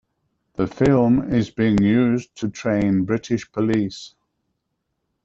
The film is being used to train British police.